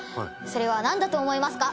それはなんだと思いますか？